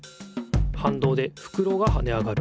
はんどうでふくろがはね上がる。